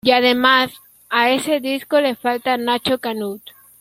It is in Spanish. Y además, a ese disco le falta Nacho Canut.